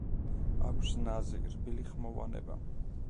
აქვს ნაზი, რბილი ხმოვანება.